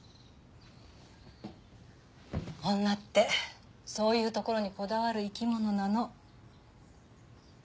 女ってそういうところにこだわる生き物なの。